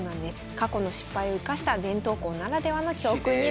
過去の失敗を生かした伝統校ならではの教訓になります。